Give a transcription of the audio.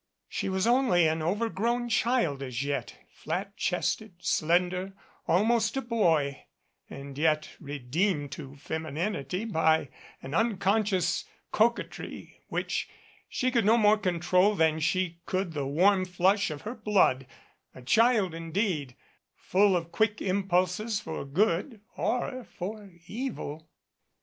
She was only an overgrown child as yet, flat chested, slender, al most a boy, and yet redeemed to femininity by an uncon scious coquetry which she could no more control than she could the warm flush of her blood; a child indeed, full of quick impulses for good or for evil.